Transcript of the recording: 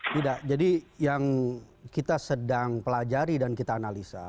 tidak jadi yang kita sedang pelajari dan kita analisa